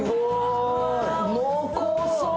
濃厚そう。